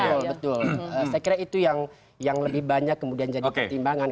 iya betul saya kira itu yang lebih banyak kemudian jadi pertimbangan